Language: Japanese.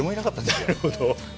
なるほど。